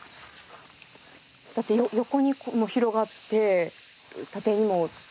だって横に広がって縦にも。